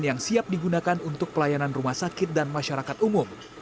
yang siap digunakan untuk pelayanan rumah sakit dan masyarakat umum